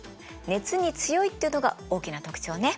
熱に強いっていうのが大きな特徴ね。